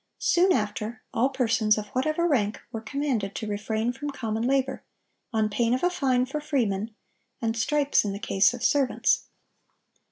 Soon after, all persons, of whatever rank, were commanded to refrain from common labor, on pain of a fine for freemen, and stripes in the case of servants.